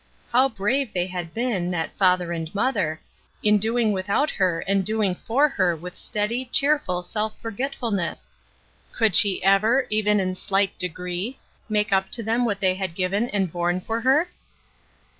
How brave they had been, that father and mother, in doing without her and doing for her with steady, cheerful self f orgetf ulness ! Could she ever, even in slight degree, make up to them what they had given and borne for her